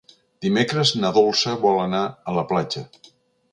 Dimecres na Dolça vol anar a la platja.